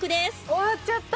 終わっちゃった！